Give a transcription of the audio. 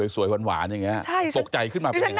สวยหวานอย่างนี้ตกใจขึ้นมาเป็นยังไง